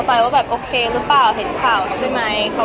ไม่ได้มีแค่พี่อีกครั้งใช่ไหมคะ